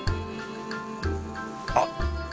あっ！